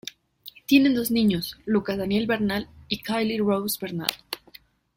Tienen dos niños, Lucas Daniel Bernal y Kylie Rose Bernal.